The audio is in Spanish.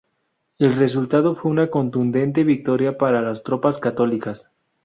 El resultado fue una contundente victoria para las tropas católicas.